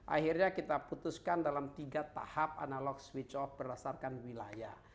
akhirnya kita putuskan dalam tiga tahap analog switch off berdasarkan wilayah